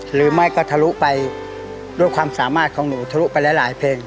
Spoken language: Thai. หรือไม่ก็ทะลุไปด้วยความสามารถของหนูทะลุไปหลายเพลง